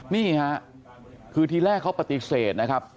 นี่ค่ะคือทีแรกเขาปฏิเสธนะครับ